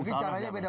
mungkin caranya beda